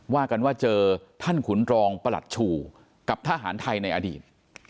ว่ากันว่าเจอท่านขุนรองประหลัดชูกับทหารไทยในอดีต